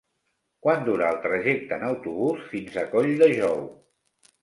Quant dura el trajecte en autobús fins a Colldejou?